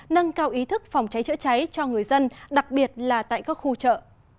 nâng cao ý thức phòng cháy chữa cháy cho người dân đặc biệt là tại các khu chợ